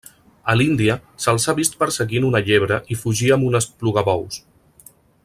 A l'Índia, se'ls ha vist perseguint una llebre i fugir amb un esplugabous.